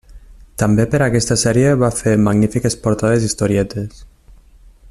També per aquesta sèrie va fer magnífiques portades i historietes.